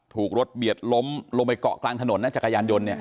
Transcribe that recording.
ถูกรถเบียดล้มลงไปเกาะกลางถนนนะจักรยานยนต์เนี่ย